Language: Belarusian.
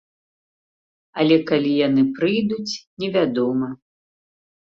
Але калі яны прыйдуць, невядома.